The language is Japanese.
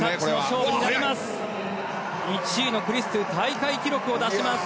１位のクリストゥ大会記録を出します。